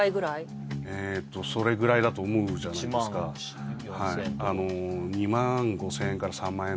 えっとそれぐらいだと思うじゃないですか１万４０００円とかですか？